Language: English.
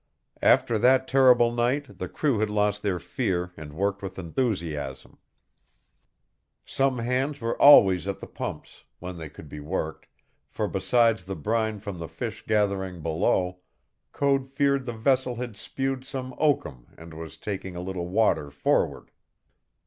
After that terrible night the crew had lost their fear and worked with enthusiasm. Some hands were always at the pumps, when they could be worked, for besides the brine from the fish gathering below, Code feared the vessel had spewed some oakum and was taking a little water forward.